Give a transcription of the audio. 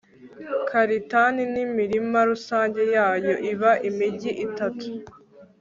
karitani n'imirima rusange yayo: iba imigi itatu